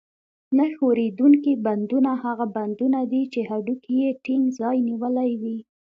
نه ښورېدونکي بندونه هغه بندونه دي چې هډوکي یې ټینګ ځای نیولی وي.